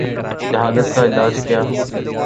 جہالت کا علاج کیا؟